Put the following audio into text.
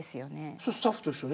それスタッフと一緒に？